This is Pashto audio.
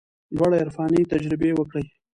لوړې عرفاني تجربې وکړي.